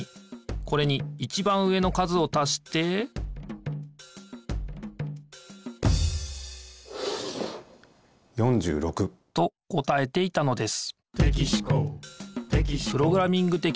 これにいちばん上の数をたして４６。と答えていたのです